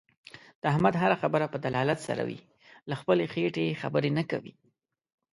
د احمد هر خبره په دلالت سره وي. له خپلې خېټې خبرې نه کوي.